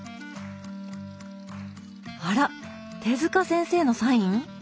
あら手塚先生のサイン？